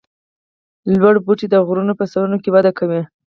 لوړ بوټي د غرونو په سرونو کې وده کوي